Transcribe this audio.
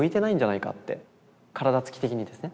体つき的にですね。